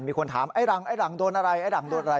มีคนถามไอ้หลังไอ้หลังโดนอะไรไอ้หลังโดนอะไร